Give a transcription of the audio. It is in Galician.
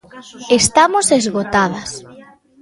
Estamos esgotadas.